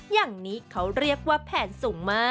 อย่างนี้เขาเรียกว่าแผนสูงมาก